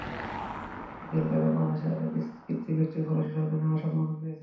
এঁদের বাইরেও বাংলাদেশের আরও কিছু কৃতী ব্যক্তি ফরাসি সরকারের নানা সম্মাননা পেয়েছেন।